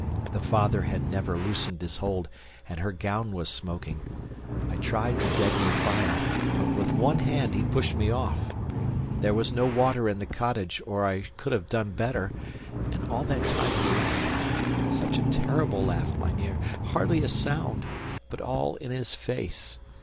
The father had never loosened his hold, and her gown was smoking. I tried to deaden the fire, but with one hand he pushed me off. There was no water in the cottage or I could have done better, and all that time he laughed such a terrible laugh, mynheer, hardly a sound, but all in his face.